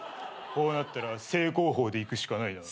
こうなったら正攻法でいくしかないな。